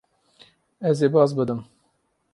Ez ê baz bidim.